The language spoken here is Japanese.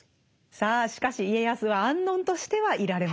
さあしかし家康は安穏としてはいられません。